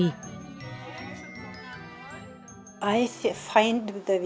tôi thấy sản x coherent của luật tuyết rất thú vị